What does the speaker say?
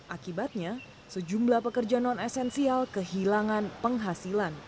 akibatnya sejumlah pekerja non esensial kehilangan penghasilan